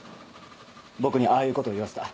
僕にああいうことを言わせた。